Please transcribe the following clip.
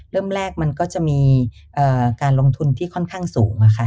เริ่มแรกมันก็จะมีการลงทุนที่ค่อนข้างสูงค่ะ